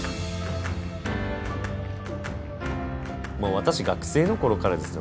私学生の頃からですよ